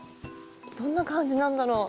どんな感じなんだろう。